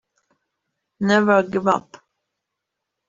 Never give up.